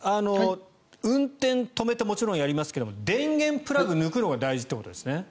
運転を止めてもちろんやりますけども電源プラグを抜くのが大事ということですね。